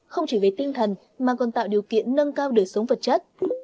không chỉ về tinh thần mà còn tạo điều kiện nâng cao đời sống vật chất